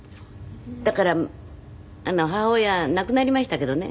だから母親は亡くなりましたけどね松山の。